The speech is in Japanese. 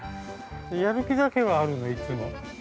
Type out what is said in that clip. ◆やる気だけはあるの、いつも。